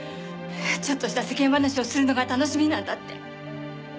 ちょっとした世間話をするのが楽しみなんだって。